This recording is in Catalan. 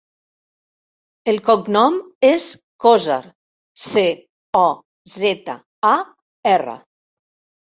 El cognom és Cozar: ce, o, zeta, a, erra.